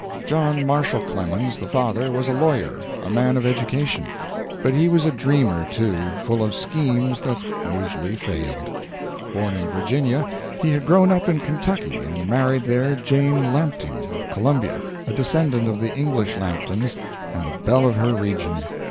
John Marshall Clemens, the father, was a lawyer, a man of education; but he was a dreamer, too, full of schemes that usually failed. Born in Virginia, he had grown up in Kentucky, and married there Jane Lampton, of Columbia, a descendant of the English Lamptons and the belle of her region.